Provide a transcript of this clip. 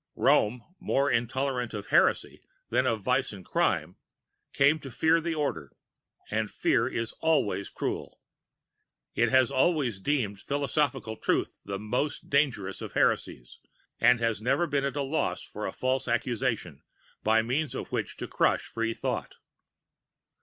[Rome, more intolerant of heresy than of vice and crime, came to fear the Order, and fear is always cruel. It has always deemed philosophical truth the most dangerous of heresies, and has never been at a loss for a false accusation, by means of which to crush free thought.